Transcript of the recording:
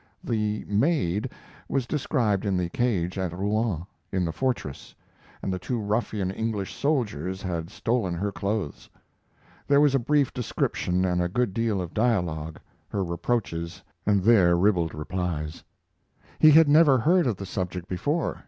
The "maid" was described in the cage at Rouen, in the fortress, and the two ruffian English soldiers had stolen her clothes. There was a brief description and a good deal of dialogue her reproaches and their ribald replies. He had never heard of the subject before.